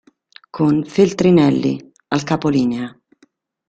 Con Feltrinelli: "Al capolinea.